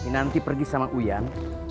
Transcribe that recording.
nanti pergi sama uyan